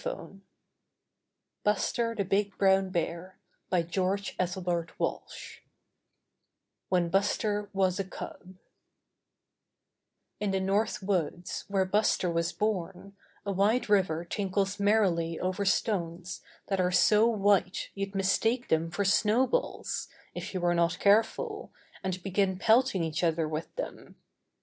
*»■ A i BUSTER THE BIG BROWN BEAR STORY I When Buster Was a Cub In the North Woods where Buster was born, a wide river tinkles merrily over stones that are so white you'd mistake them for snow balls, if you were not careful, and begin pelt ing each other with them.